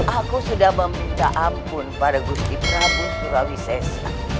aku sudah meminta ampun pada gusti prabu surawi sesa